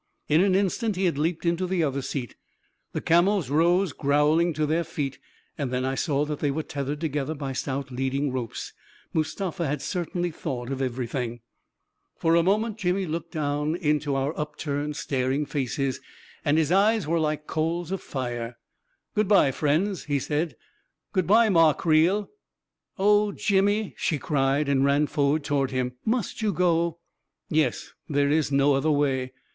In an instant he had leaped into the other seat — the camels rose growling to their feet — and then I saw that they were tethered together by stout leading ropes. Mustafa had certainly thought of everything ... For a moment, Jimmy looked down into our up A KING IN BABYLON 385 turned, staring faces, and his eyes were like coals of fire. " Good bye, friends," he said. " Good bye, Ma Creel !" "Oh, Jimmy! " she cried, and ran forward to ward him. " Must you go ?" "Yes — there's no other way!